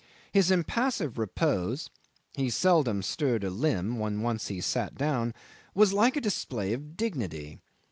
His impassive repose (he seldom stirred a limb when once he sat down) was like a display of dignity.